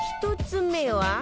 １つ目は